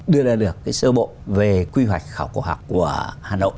đưa ra được cái sơ bộ về quy hoạch khảo cổ học của hà nội